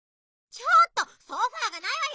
ちょっとソファーがないわよ！